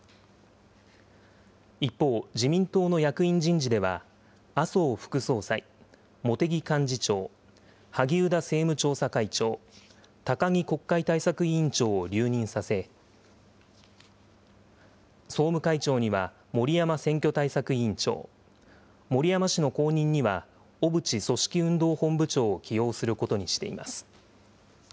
一方、自民党の役員人事では、麻生副総裁、茂木幹事長、萩生田政務調査会長、高木国会対策委員長を留任させ、総務会長には森山選挙対策委員長、森山氏の後任には小渕組織運動本部長を起用することにしています。